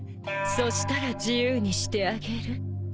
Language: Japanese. そしたら自由にしてあげる。